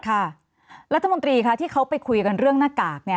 รัฐมนตรีค่ะที่เขาไปคุยกันเรื่องหน้ากากเนี่ย